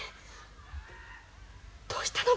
どうしたの？